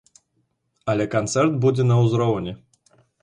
Але канцэрт будзе на ўзроўні.